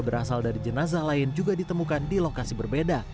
berasal dari jenazah lain juga ditemukan di lokasi berbeda